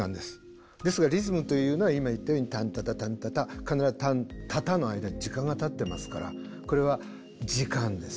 ですがリズムというのは今言ったように「タンタタタンタタ」必ず「タンタタ」の間に時間がたってますからこれは時間です。